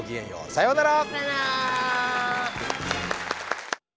さようなら。